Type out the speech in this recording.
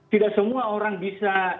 tidak semua orang bisa